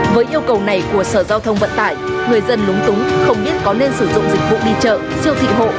với yêu cầu này của sở giao thông vận tải người dân lúng túng không biết có nên sử dụng dịch vụ đi chợ siêu thị hộ